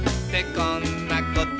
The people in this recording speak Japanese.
「こんなこと」